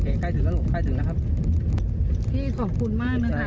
เก็บใกล้ถึงแล้วหรอกใกล้ถึงนะครับพี่ขอบคุณมากน่ะค่ะ